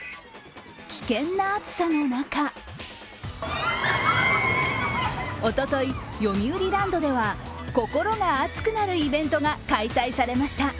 危険な暑さの中おととい、よみうりランドでは心が熱くなるイベントが開催されました。